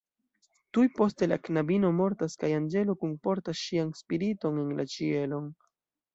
Tuj poste la knabino mortas kaj anĝelo kunportas ŝian spiriton en la ĉielon.